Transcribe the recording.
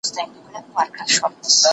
په خیرخانه کې بیروبار تل زیات وي.